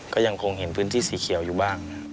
ก็ยังคงเห็นพื้นที่สีเขียวอยู่บ้างนะครับ